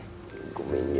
ごめんよ。